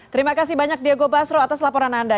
terima kasih banyak diego basro atas laporan anda